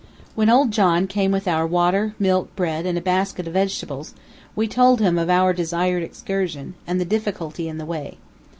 When old John came with our water, milk, bread, and a basket of vegetables, we told him of our desired excursion, and the difficulty in the way.